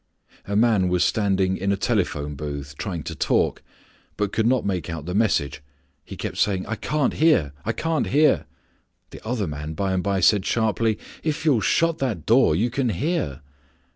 A man was standing in a telephone booth trying to talk, but could not make out the message. He kept saying, "I can't hear, I can't hear." The other man by and by said sharply, "If you'll shut that door you can hear."